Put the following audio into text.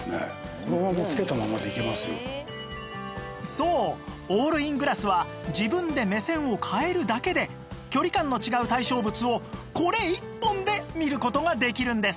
そうオールイングラスは自分で目線を変えるだけで距離感の違う対象物をこれ１本で見る事ができるんです